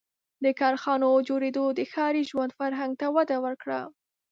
• د کارخانو جوړېدو د ښاري ژوند فرهنګ ته وده ورکړه.